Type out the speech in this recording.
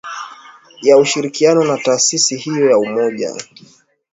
ya ushirikiano na taasisi hiyo ya Umoja